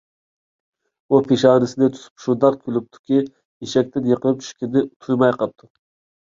ئۇ پېشانىسىنى تۇتۇپ، شۇنداق كۈلۈپتۇكى، ئېشەكتىن يىقىلىپ چۈشكىنىنى تۇيماي قاپتۇ.